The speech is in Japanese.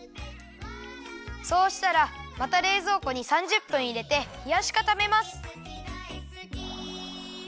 そうしたらまたれいぞうこに３０分いれてひやしかためます。